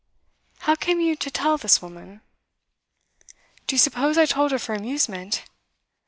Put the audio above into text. How came you to tell this woman?' 'Do you suppose I told her for amusement?